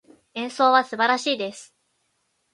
演奏は素晴らしいです。